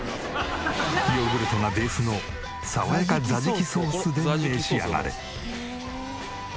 ヨーグルトがベースの爽やかザジキソースで召し上がれ。